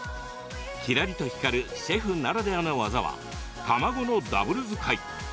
キラリと光るシェフならでの技は卵のダブル使い。